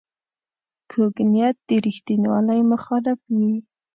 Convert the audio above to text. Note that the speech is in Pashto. کوږ نیت د ریښتینولۍ مخالف وي